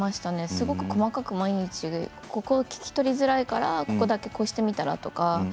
すごく細かく毎日ここ聞き取りづらいからここだけこうしてみたら？とか。